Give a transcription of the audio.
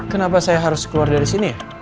kenapa saya harus keluar dari sini